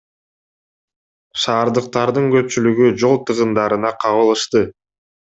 Шаардыктардын көпчүлүгү жол тыгындарына кабылышты.